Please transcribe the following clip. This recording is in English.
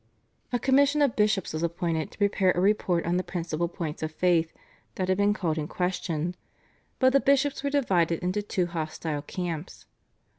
A commission of bishops was appointed to prepare a report on the principal points of faith that had been called in question, but the bishops were divided into two hostile camps.